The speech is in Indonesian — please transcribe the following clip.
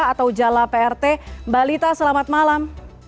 atau jala prt mbak lita selamat malam